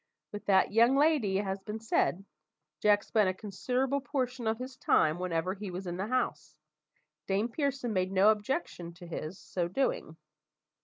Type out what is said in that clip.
With that young lady, as has been said, Jack spent a considerable portion of his time, whenever he was in the house; Dame Pearson made no objection to his so doing.